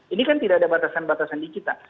ini kan tidak ada batasan batasan di kita